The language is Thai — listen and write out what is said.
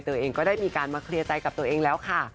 ตัวเองก็ได้มีการมาเคลียร์ใจกับตัวเองแล้วค่ะ